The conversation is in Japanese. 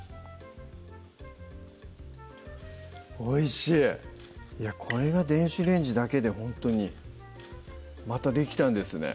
おいしいいやこれが電子レンジだけでほんとにまたできたんですね